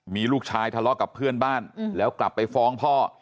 มีลูกชายทะเลาะกับเพื่อนบ้านแล้วกลับไปฟ้องพ่อ